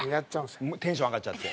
テンション上がっちゃって。